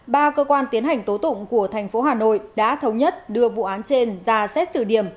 ba cơ quan tiến hành tố tụng của thành phố hà nội đã thống nhất đưa vụ án trên ra xét xử điểm